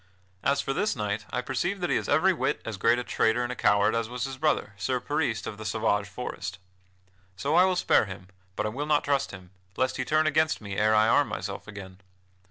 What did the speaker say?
As for this knight, I perceive that he is every whit as great a traitor and a coward as was his brother Sir Peris of the Sauvage Forest. So I will spare him, but I will not trust him, lest he turn against me ere I arm myself again.